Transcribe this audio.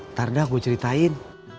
ntar dah gua ceritain